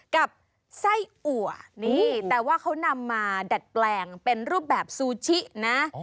กับไส้อัวนี่แต่ว่าเขานำมาดัดแปลงเป็นรูปแบบซูชินะ